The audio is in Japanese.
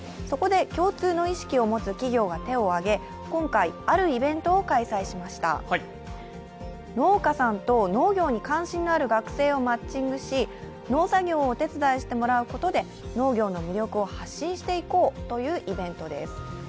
そこで共通の意識を持つ企業が手を挙げ、今回、あるイベントを開催しました農家さんと農業に関心のある学生をマッチングし、農作業をお手伝いしてもらうことで農業の魅力を発信していこうというイベントです。